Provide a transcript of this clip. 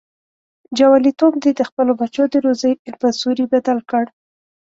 جواليتوب دې د خپلو بچو د روزۍ په سوري بدل کړ.